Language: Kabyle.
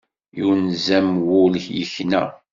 Yunez-am wul yekna.